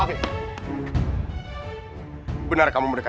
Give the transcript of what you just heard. aku baik staat membiarkannya